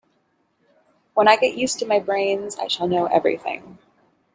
When I get used to my brains I shall know everything.